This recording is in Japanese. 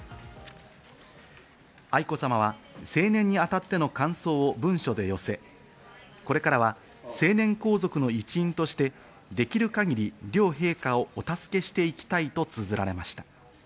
愛子さまは成年にあたっての感想を文書で寄せ、これからは成年皇族の一員として、できる限り両陛下をお助けしていきたいとつづられました。